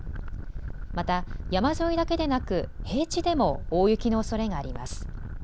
また山沿いだけでなく平地でも大雪のおそれがあります。